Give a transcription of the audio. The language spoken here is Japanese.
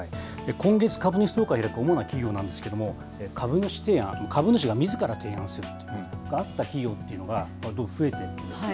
今月、株主総会を開く主な企業なんですけれども、株主提案、株主がみずから提案する、があった企業が増えているんですね。